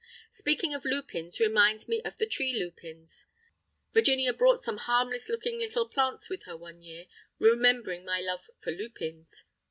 Speaking of lupins reminds me of the tree lupins. Virginia brought some harmless looking little plants with her one year, remembering my love for lupins.